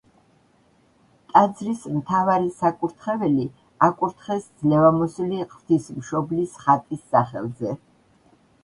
ტაძრის მთავარი საკურთხეველი აკურთხეს ძლევამოსილი ღვთისმშობლის ხატის სახელზე.